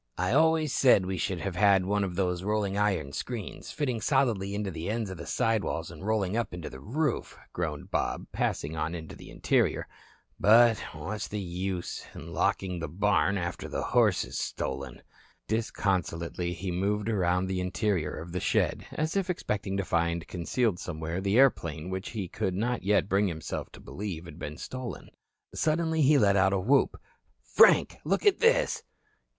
"I always said we should have had one of those rolling iron screens, fitting solidly into the ends of the side walls and rolling up into the roof," groaned Bob, passing on into the interior. "But what's the use locking the barn after the horse is stolen." Disconsolately he moved around the interior of the shed, as if expecting to find concealed somewhere the airplane which he could not yet bring himself to believe had been stolen. Suddenly he let out a whoop. "Frank, look at this."